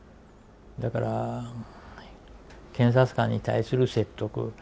だから検察官に対する説得